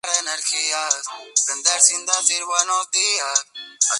A su lado el propio Stefano encontró una segunda estatua.